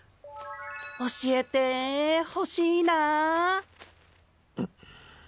教えてほしいな。